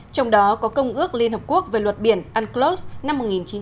trong đó có công ước liên hợp quốc về luật biển unclos năm một nghìn chín trăm tám mươi hai